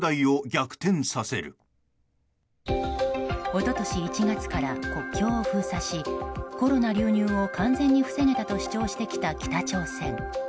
一昨年１月から国境を封鎖しコロナ流入を完全に防げたと主張してきた北朝鮮。